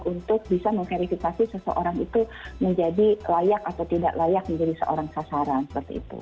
untuk bisa memverifikasi seseorang itu menjadi layak atau tidak layak menjadi seorang sasaran seperti itu